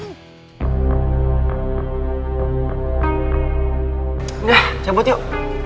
udah cabut yuk